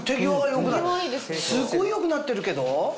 すごい良くなってるけど？